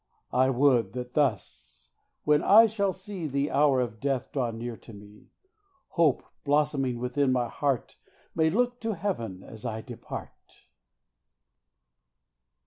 I would that thus, when I shall see The hour of death draw near to me, Hope, blossoming within my heart, May look to heaven as I depart.